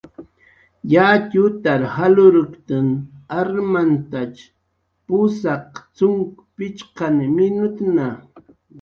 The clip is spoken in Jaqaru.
Yatxutar jalurktn armant pusaq cxunk pichqani minutu.